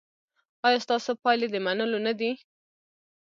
ایا ستاسو پایلې د منلو نه دي؟